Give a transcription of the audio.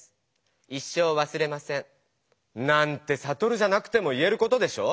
一生わすれません」なんてサトルじゃなくても言えることでしょ！